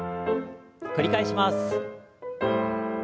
繰り返します。